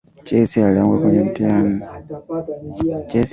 Chesi alianguka mtihani.